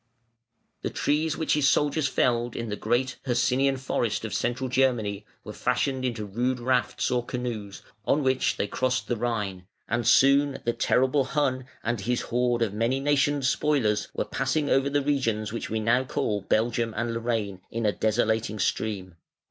The trees which his soldiers felled in the great Hercynian forest of Central Germany were fashioned into rude rafts or canoes, on which they crossed the Rhine; and soon the terrible Hun and his "horde of many nationed spoilers" were passing over the regions which we now call Belgium and Lorraine in a desolating stream.